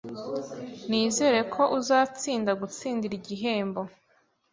Nizere ko uzatsinda gutsindira igihembo